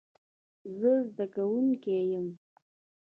زه زده کوونکی یم